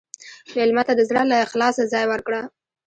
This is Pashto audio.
مېلمه ته د زړه له اخلاصه ځای ورکړه.